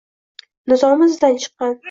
nizomi izidan chiqqan